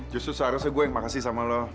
justru seharusnya gue yang makasih sama lo